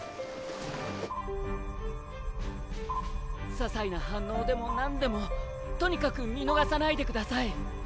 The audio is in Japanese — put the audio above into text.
ささいな反応でも何でもとにかく見逃さないでください！